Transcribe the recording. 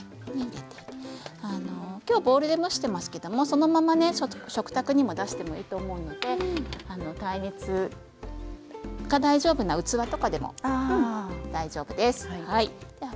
きょうボウルで蒸してますけどそのまま食卓にも出していいと思うので耐熱が大丈夫な器でも大丈夫です。